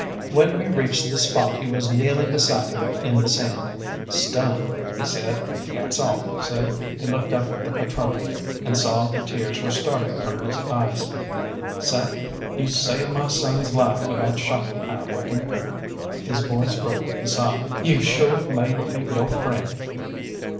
When we reached the spot he was kneeling beside him in the sand. "Stunned," he said, "that's all! Seh," he looked up at the patrone, and I saw the tears were starting from his eyes. "Seh, you've saved my son's life with that shot, I reckon" his voice broke with a sob "you've sure made me yo' friend."